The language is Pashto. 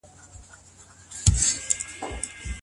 ښځي بايد د خاوند پر بېوزلۍ او ناروغۍ صبر وکړي.